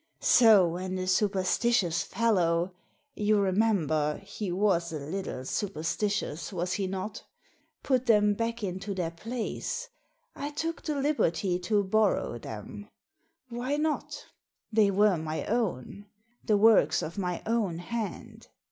So when the superstitious fellow — ^you remember, he was a little superstitious, was he not? — ^put them back into their place, I took the liberty to borrow them — why not? They were my own, the works of my own hand